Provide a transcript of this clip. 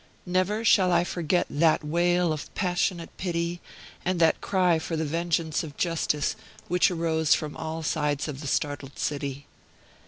Never shall I forget that wail of passionate pity, and that cry for the vengeance of justice, which rose from all sides of the startled city.